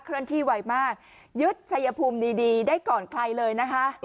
เลื่อนที่ไวมากยึดชัยภูมิดีได้ก่อนใครเลยนะคะ